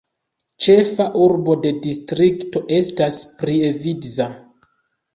Ĉefa urbo de distrikto estas Prievidza.